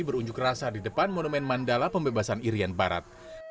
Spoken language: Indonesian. berunjuk rasa di depan monumen mandala pembebasan irian barat